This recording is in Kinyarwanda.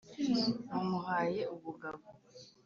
mumuhaye ubugabo